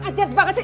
ajit banget sih